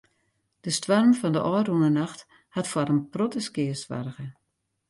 De stoarm fan de ôfrûne nacht hat foar in protte skea soarge.